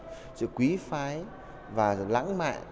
những sự sáng trọng sự quý phái và lãng mạn